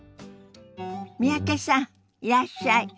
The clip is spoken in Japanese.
三宅さんいらっしゃい。